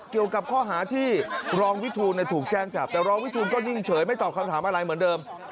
เกี่ยวกับข้อหาที่รองวิทูลถูกแจ้งจับแต่รองวิทูลก็นิ่งเฉยไม่ตอบคำถามอะไรเหมือนเดิม